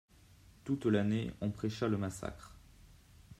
Toute l'année on prêcha le massacre.